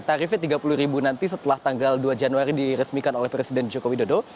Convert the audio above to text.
tarifnya rp tiga puluh nanti setelah tanggal dua januari diresmikan oleh presiden joko widodo